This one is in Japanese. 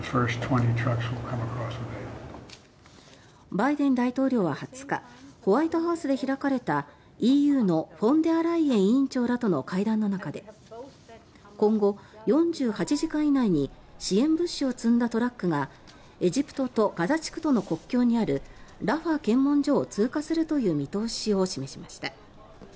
バイデン大統領は２０日ホワイトハウスで開かれたＥＵのフォンデアライエン委員長らとの会談の中で今後４８時間以内に支援物資を積んだトラックがエジプトとガザ地区との国境にあるラファ検問所を通過するという見通しを示しました。